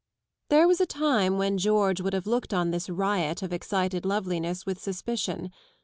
There was a time when George would have looked on this riot of excited loveliness with suspicion.